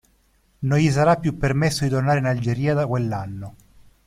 Non gli sarà più permesso di tornare in Algeria da quell'anno.